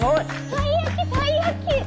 たい焼きたい焼き！